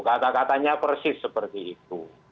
kata katanya persis seperti itu